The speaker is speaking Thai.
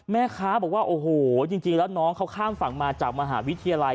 แม่ค้าบอกว่าโอ้โหจริงแล้วน้องเขาข้ามฝั่งมาจากมหาวิทยาลัย